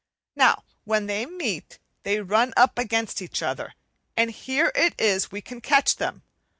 Now when they meet, they run up against each other, and here it is we catch them.